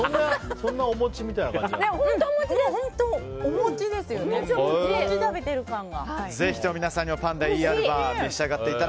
そんなお餅みたいな感じなんだ。